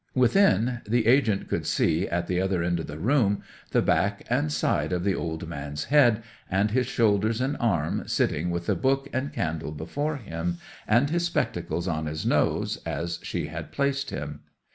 Within the agent could see, at the other end of the room, the back and side of the old man's head, and his shoulders and arm, sitting with the book and candle before him, and his spectacles on his nose, as she had placed him.